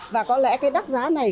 và có lẽ cái đắt giá này